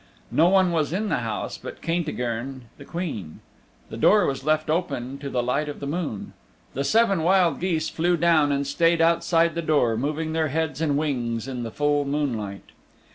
No one was in the house but Caintigern the Queen. The door was left open to the light of the moon. The seven wild geese flew down and stayed outside the door, moving their heads and wings in the full moonlight.